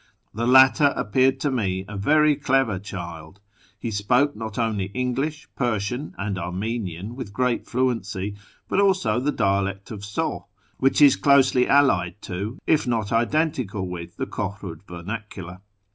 The latter appeared to me a very clever child : he spoke not only English, Persian, and Armenian with great fluency, but also the dialect of Soh, which is closely allied to, if not identical with, the Kohrud vernacular.